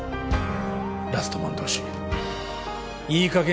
ラストマン同士いい加減